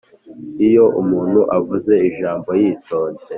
iyo umuntu avuze ijambo yitonze,